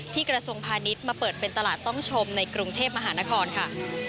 กระทรวงพาณิชย์มาเปิดเป็นตลาดต้องชมในกรุงเทพมหานครค่ะ